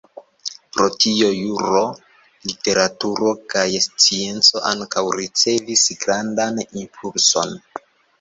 Pro tio juro, literaturo kaj scienco ankaŭ ricevis grandan impulson.